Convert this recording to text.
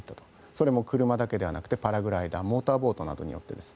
それも車だけではなくパラグライダーやモーターボートなどによって。